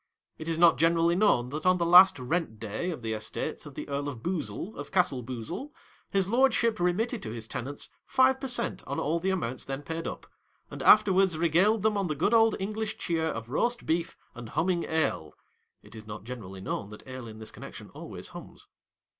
It is not generally known that on the last rent day of the estates of the Earl of Boozle. of Castle Boozle, his lordship remitted to his tenants five per cent on all the amounts then paid up, and afterwards regaled them on the good old English cheer of roast beef and humming ale. (It is not generally known that ale in this connection always hums.)